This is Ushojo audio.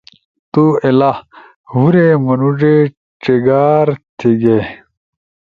تُو ایلا؟ ہور منُوڙے چیگار تھے گے